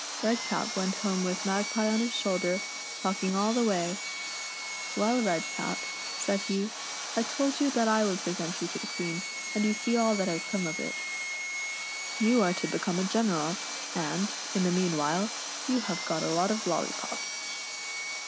Redcap went home with Magpie on his shoulder, talking all the way. *' Well, Redcap," said he, " I told you that I would REDCAP'S ADVEXTURES JN FAIRYLAND. 91 present you to the Queen, and you see all that has come of it. You arc to become a general, and, in the mean while, you have got a lot of loll} pops."